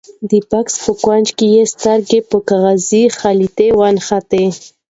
د بکس په کونج کې یې سترګې په کاغذي خلطې ونښتې.